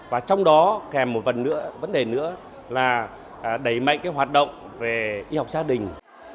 và trong đó kèm một vấn đề nữa là đẩy mạnh hoạt động về y học gia đình